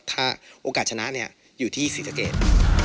ถ้าโอกาสชนะอยู่ที่ศรีสะเกด